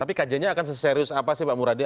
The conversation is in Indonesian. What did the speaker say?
tapi kajiannya akan seserius apa sih pak muradi